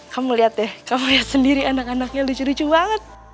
kamu lihat deh kamu sendiri anak anaknya lucu lucu banget